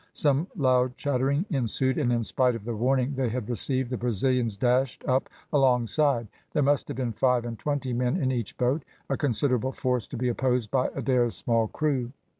Some loud chattering ensued, and in spite of the warning they had received, the Brazilians dashed up alongside. There must have been five and twenty men in each boat; a considerable force to be opposed by Adair's small crew.